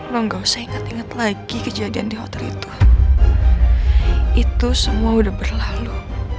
lo nggak usah ingat ingat lagi kejadian di hotel itu itu semua udah berlalu